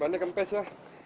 bannya kempes ya